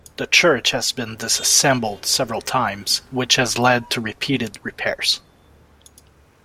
The church has been disassembled several times, which has led to repeated repairs.